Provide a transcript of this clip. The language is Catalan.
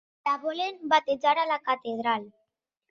La volen batejar a la catedral.